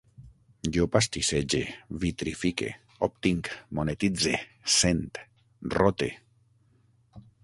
Jo pastissege, vitrifique, obtinc, monetitze, sent, rote